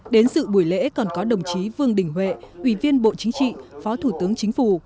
đến sự buổi lễ còn có đồng chí vương đình huệ ủy viên bộ chính trị phó thủ tướng chính phủ